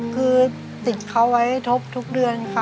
คือติดเขาไว้ครบทุกเดือนค่ะ